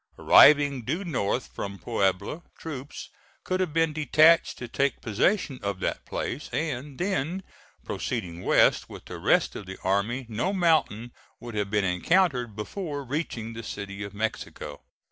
Arriving due north from Puebla, troops could have been detached to take possession of that place, and then proceeding west with the rest of the army no mountain would have been encountered before reaching the City of Mexico.